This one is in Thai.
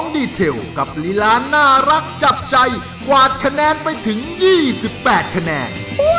ดีเทลกับลีลาน่ารักจับใจกวาดคะแนนไปถึง๒๘คะแนน